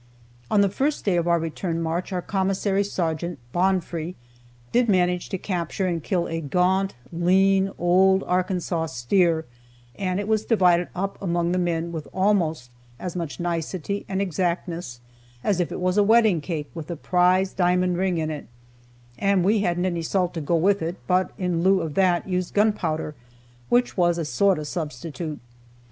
On the first day of our return march our commissary sergeant, Bonfoy, did manage to capture and kill a gaunt, lean old Arkansas steer, and it was divided up among the men with almost as much nicety and exactness as if it was a wedding cake with a prize diamond ring in it; and we hadn't any salt to go with it, but in lieu of that used gun powder, which was a sort of substitute.